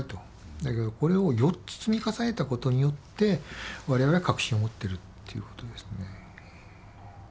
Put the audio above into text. だけどこれを４つ積み重ねたことによって我々は確信を持ってるっていうことですね。